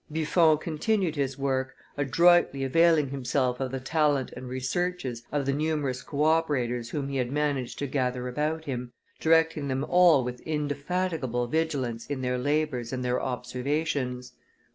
Buffon continued his work, adroitly availing himself of the talent and researches of the numerous co operators whom he had managed to gather about him, directing them all with indefatigable vigilance in their labors and their observations.